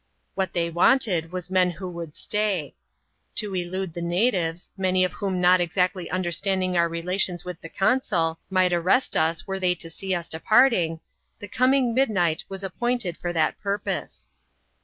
What they wanted, was men who would stay. To elude the natives — many of whom not exactly understanding our relations with the consul, might arrest us, were they to see us departing — the coming midnight was appointed for that purpose.